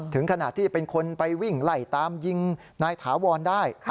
ถึงขณะที่เป็นคนไปวิ่งไล่ตามยิงนายถาวรได้